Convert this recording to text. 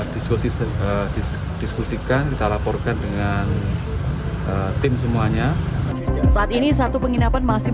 diskusi diskusikan kita laporkan dengan tim semuanya saat ini satu penginapan masih